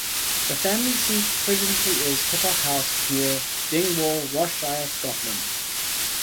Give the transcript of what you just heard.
The family seat presently is Keppoch House, near Dingwall, Ross-shire, Scotland.